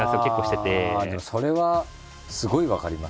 それはすごい分かります。